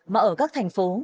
mà ở các thành phố